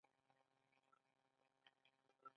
مالګه ولې فشار لوړوي؟